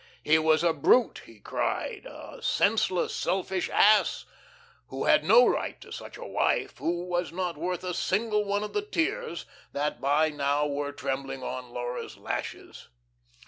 He was a brute, he cried, a senseless, selfish ass, who had no right to such a wife, who was not worth a single one of the tears that by now were trembling on Laura's lashes.